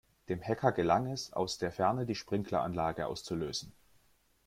Dem Hacker gelang es, aus der Ferne die Sprinkleranlage auszulösen.